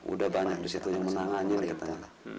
udah banyak disitu yang menangani kita